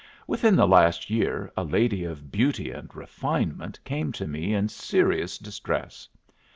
Within the last year a lady of beauty and refinement came to me in serious distress.